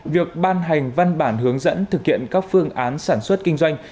việc ban hành văn bản hướng dẫn thực hiện các phương án sản xuất kinh doanh